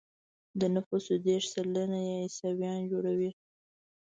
د نفوسو دېرش سلنه يې عیسویان جوړوي.